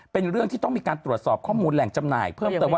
เป็นเรื่องที่ต้องมีการตรวจสอบข้อมูลแหล่งจำหน่ายเพิ่มเติมว่า